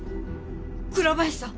倉林さん